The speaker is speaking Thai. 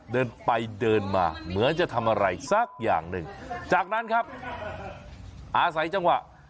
เดินไปเดินมาเหมือนจะทำอะไรสักอย่างหนึ่งจากนั้นครับอาศัยจังหวะ